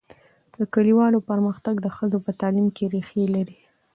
د کلیوالو پرمختګ د ښځو په تعلیم کې ریښې لري.